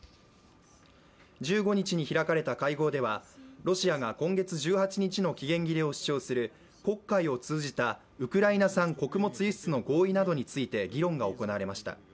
１５日に開かれた会合ではロシアが今月１８日の期限切れを主張する黒海を通じたウクライナ産穀物輸出の合意などについて議論が行われました。